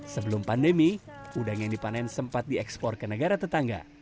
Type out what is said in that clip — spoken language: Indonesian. sebelum pandemi udang yang dipanen sempat diekspor ke negara tetangga